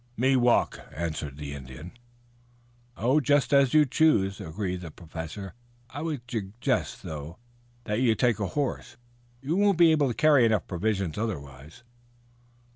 "Me walk," answered the Indian. "Just as you choose," agreed the Professor. "I would suggest, though, that you take a horse. You won't be able to carry enough provisions otherwise."